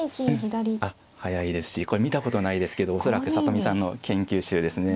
あっ速いですしこれ見たことないですけど恐らく里見さんの研究手ですね。